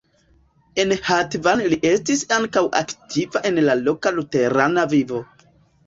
En Hatvan li estis ankaŭ aktiva en la loka luterana vivo.